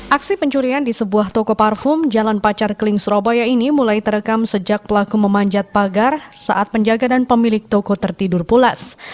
aksi pencurian di sebuah toko parfum jalan pacar keling surabaya ini mulai terekam sejak pelaku memanjat pagar saat penjaga dan pemilik toko tertidur pulas